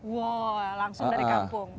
wah langsung dari kampung